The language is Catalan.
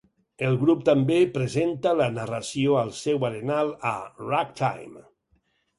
El grup també presenta la narració al seu arenal a Ragtime.